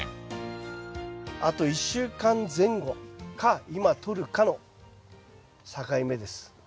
あと１週間前後か今とるかの境目です。